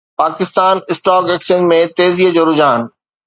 Pakistan stock exchange ۾ تيزيءَ جو رجحان